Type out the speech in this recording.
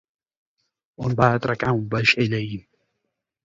On va atracar un vaixell ahir?